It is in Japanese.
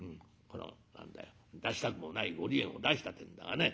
何だよ出したくもないご離縁を出したってえんだがね。